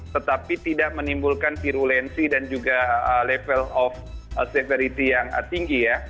tetapi tidak menimbulkan virulensi dan juga level of severity yang tinggi ya